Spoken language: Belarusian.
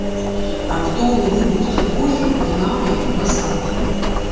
Раптоўны выбух трывогі пагнаў яго назад.